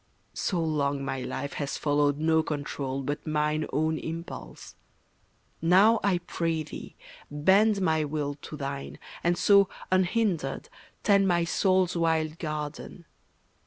So long my life has followed no control But mine own impulse; now, I pray thee, bend My will to thine, and so, unhindered, tend My soul's wild garden.